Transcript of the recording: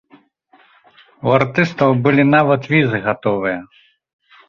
У артыстаў былі нават візы гатовыя.